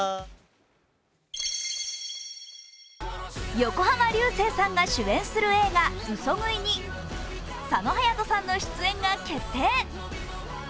横浜流星さんが主演する映画「嘘喰い」に佐野勇斗さんの出演が決定。